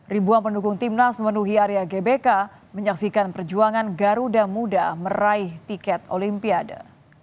ribuan pendukung timnas menuhi area gbk menyaksikan perjuangan garuda muda meraih tiket olimpiade